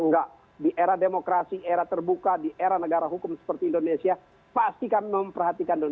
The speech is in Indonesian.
enggak di era demokrasi era terbuka di era negara hukum seperti indonesia pastikan memperhatikan dulu